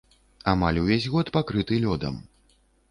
Амаль увесь год пакрыты лёдам.